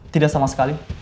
tidak sama sekali